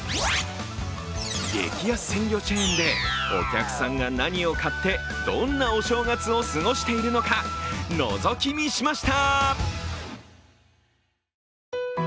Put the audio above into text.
激安鮮魚チェーンでお客さんが何を買ってどんなお正月を過ごしているのか、のぞき見しました。